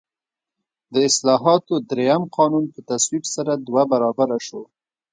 د اصلاحاتو درېیم قانون په تصویب سره دوه برابره شو.